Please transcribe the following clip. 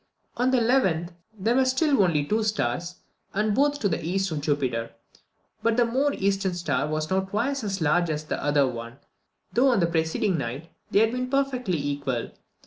On the 11th, there were still only two stars, and both to the east of Jupiter; but the more eastern star was now twice as large as the other one, though on the preceding night they had been perfectly equal.